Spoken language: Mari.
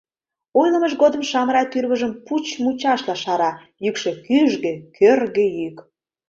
Ойлымыж годым Шамрай тӱрвыжым пуч мучашла шара, йӱкшӧ кӱжгӧ, кӧргӧ йӱк.